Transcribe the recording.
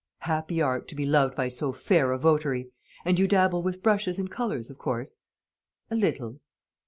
"Happy art, to be loved by so fair a votary! And you dabble with brushes and colours, of course?" "A little."